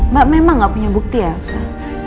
mbak memang gak punya bukti ya sah